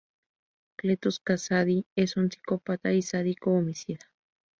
Cletus Kasady es un psicópata y sádico homicida.